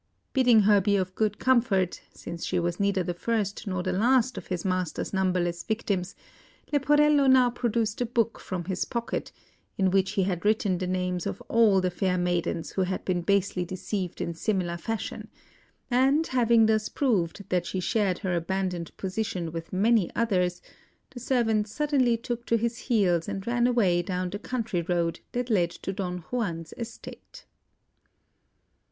Bidding her be of good comfort, since she was neither the first nor the last of his master's numberless victims, Leporello now produced a book from his pocket, in which he had written the names of all the fair maidens who had been basely deceived in similar fashion; and having thus proved that she shared her abandoned position with many others, the servant suddenly took to his heels and ran away down the country road that led to Don Juan's estate.